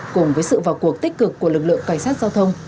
cùng với sự vào cuộc tích cực của lực lượng cảnh sát giao thông